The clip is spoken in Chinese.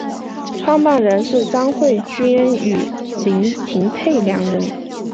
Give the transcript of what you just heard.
创办人是詹慧君与林庭妃两人。